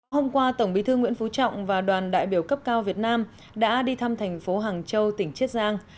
hôm qua tổng bí thư nguyễn phú trọng và đoàn đại biểu cấp cao việt nam đã đi thăm thành phố hàng châu tỉnh chiết giang